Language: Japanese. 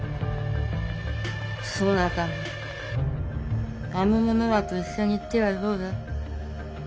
そなたもあの者らと一緒に行ってはどうだ？